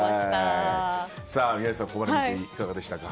宮司さん、ここまで見ていかがでしたか？